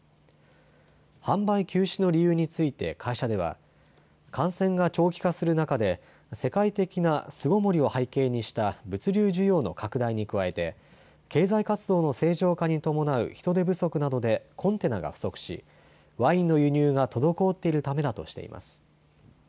販売休止の理由について会社では感染が長期化する中で世界的な巣ごもりを背景にした物流需要の拡大に加えて経済活動の正常化に伴う人手不足などでコンテナが不足し、ワインの輸入が滞っているためだとしています。